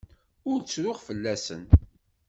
Ur ttruɣ fell-asen.